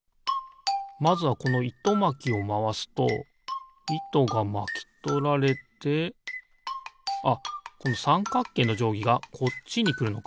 まずはこのいとまきをまわすといとがまきとられてあっこのさんかくけいのじょうぎがこっちにくるのか。